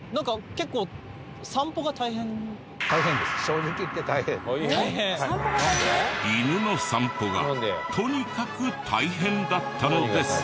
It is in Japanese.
犬の散歩がとにかく大変だったのです。